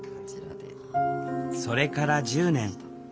それから１０年。